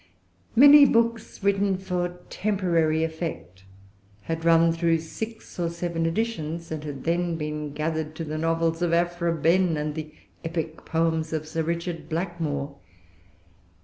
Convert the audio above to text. Many books, written for temporary effect, had run through six or seven editions, and had then been gathered to the novels of Afra Behn, and the epic poems of Sir Richard Blackmore.